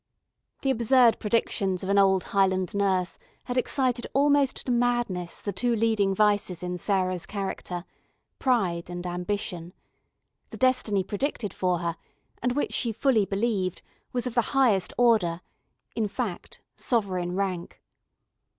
The absurd predictions of an old Highland nurse had excited almost to madness the two leading vices in Sarah's character, pride and ambition; the destiny predicted for her, and in which she fully believed, was of the highest order, in fact, sovereign rank.